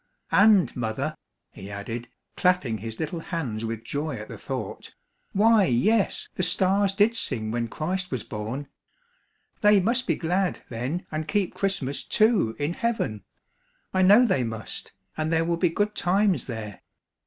And, mother," he added, clapping his little hands with joy at the thought, "why, yes, the stars did sing when Christ was born! They must be glad, then, and keep Christmas, too, in heaven. I know they must, and there will be good times there."